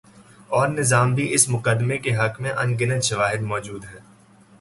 اورنظام بھی اس مقدمے کے حق میں ان گنت شواہد مو جود ہیں۔